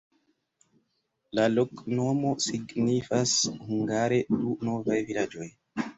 La loknomo signifas hungare: Du-novaj-vilaĝoj.